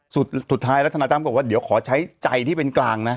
สุดท้ายแล้วทนายตั้มก็บอกว่าเดี๋ยวขอใช้ใจที่เป็นกลางนะ